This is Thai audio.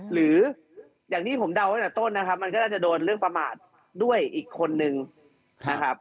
หรืออย่างที่ผมเดาตั้งแต่ต้นนะครับมันก็น่าจะโดนเรื่องประมาทด้วยอีกคนนึงนะครับ